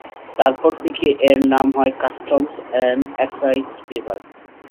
তারপর থেকে এর নাম হয় কাস্টমস অ্যান্ড এক্সাইজ বিভাগ।